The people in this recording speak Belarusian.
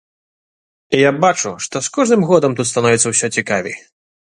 І я бачу, што з кожным годам тут становіцца ўсё цікавей.